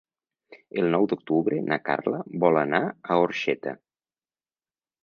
El nou d'octubre na Carla vol anar a Orxeta.